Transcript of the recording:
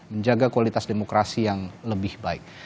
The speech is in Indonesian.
menjaga kualitas demokrasi yang lebih baik